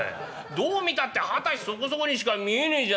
どう見たって二十歳そこそこにしか見えねえじゃねえかよ」。